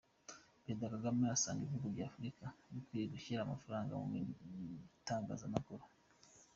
Perezida Kagame asanga ibihugu bya Afrika bikwiriye gushyira amafaranga mu itangazamakuru.